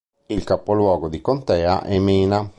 Il capoluogo di contea è Mena.